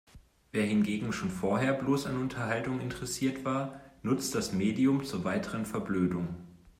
Wer hingegen schon vorher bloß an Unterhaltung interessiert war, nutzt das Medium zur weiteren Verblödung.